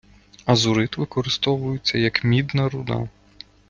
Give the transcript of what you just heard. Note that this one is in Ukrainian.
Азурит використовується як мідна руда